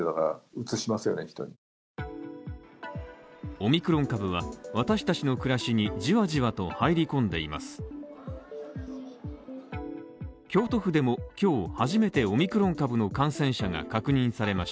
オミクロン株は私達の暮らしにじわじわと入り込んでいます。